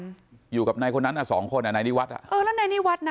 อธิบายอยู่กับหน้ายนี่วัด